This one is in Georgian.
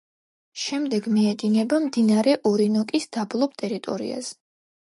შემდეგ მიედინება მდინარე ორინოკოს დაბლობ ტერიტორიაზე.